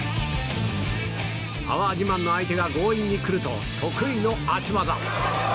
パワー自慢の相手が強引に来ると、得意の足技。